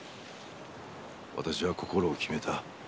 私は心を決めた。